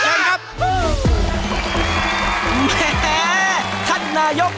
ท่านนายกท่านนายก